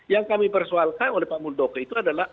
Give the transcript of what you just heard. yang kami persoalkan oleh pak muldoko itu adalah